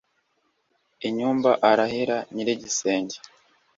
inyumba arahira nyiri igisenge